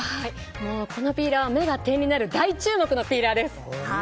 もうこのピーラーは目が点になる大注目のピーラーです。